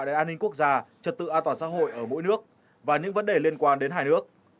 đến an ninh quốc gia trật tự an toàn xã hội ở mỗi nước và những vấn đề liên quan đến hai nước